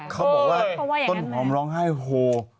เขาบอกว่าต้นหอมร้องไห้โฮ